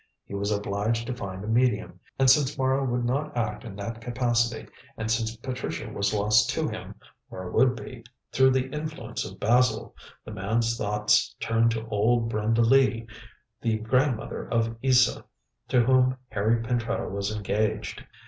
He was obliged to find a medium, and since Mara would not act in that capacity, and since Patricia was lost to him, or would be, through the influence of Basil, the man's thoughts turned to old Brenda Lee, the grandmother of Isa, to whom Harry Pentreddle was engaged.